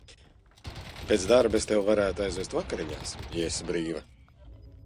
Pēc darba es tevi varētu aizvest vakariņās, ja esi brīva.